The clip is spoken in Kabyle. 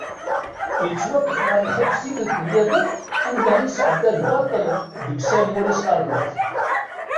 Yettwaṭṭef ɣer lḥebs tikkelt-nniḍen anda i yesεedda lbaṭel deg "Saint Maurice L’ardoise".